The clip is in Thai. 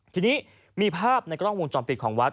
ทีนี้มีภาพในกล้องวงจรปิดของวัด